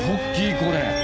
これ。